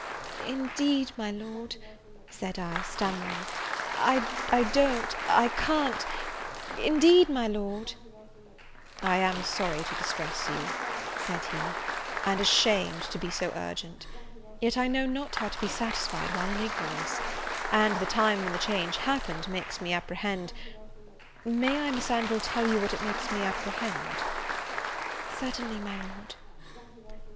"Indeed, my Lord," said I, stammering, "I don't, I can't, indeed, my Lord, " "I am sorry to distress you," said he, "and ashamed to be so urgent, yet I know not how to be satisfied while in ignorance, and the time when the change happened, makes me apprehend, may I, Miss Anville, tell you what it makes me apprehend?" "Certainly, my Lord."